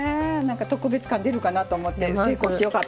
特別感出るかなと思って成功してよかったです。